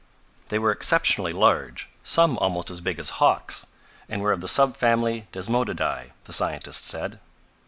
They were exceptionally large, some almost as big as hawks, and were of the sub family Desmodidae, the scientist said.